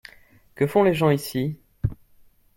Que font les gens ici ?